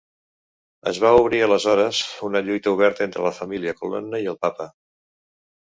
Es va obrir aleshores una lluita oberta entre la família Colonna i el papa.